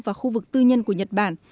và khu vực tư nhân của nhật bản